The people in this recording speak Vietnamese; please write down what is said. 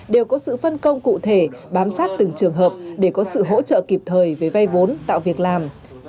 đều có sự phân công cụ thể bám sát từng trường hợp để có sự hỗ trợ kịp thời về vay vốn tạo việc làm